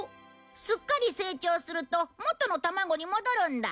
すっかり成長するともとの卵に戻るんだ。